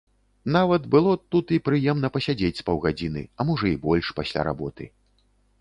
Нават было тут і прыемна пасядзець з паўгадзіны, а можа і больш, пасля работы.